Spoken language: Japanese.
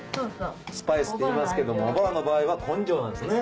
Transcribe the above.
スパイスっていいますけどもおばあの場合は根性なんですね。